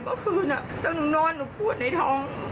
เมื่อคืนน่ะเจ้าหนูนอนหนูพูดในท้อง